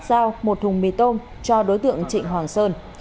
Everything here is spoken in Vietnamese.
giao một thùng mì tôm cho đối tượng trịnh hoàng sơn